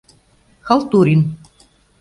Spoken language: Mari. Халтурин.